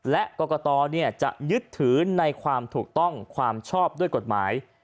และกรกตจะยึดถือในความถูกต้องความชอบด้วยกฎหมาย